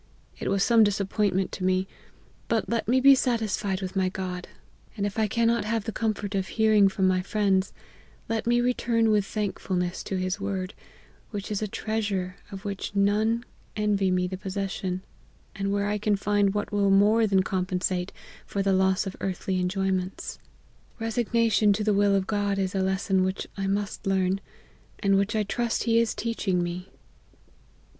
It was some disappoint* ment to me ; but let me be satisfied with my God ; and if I cannot have the comfort of hearing from my friends, let me return with thankfulness to his word, which is a treasure of which none envy me the possession, and where I can find what will more than compensate for the loss of earthly enjoy ments. Resignation to the will of God is a lesson which I must learn, and which I trust he is teach ing me."